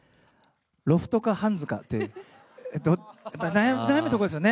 ロフトかハンズかって、悩むところですよね。